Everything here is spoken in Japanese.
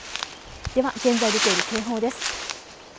では現在出ている警報です。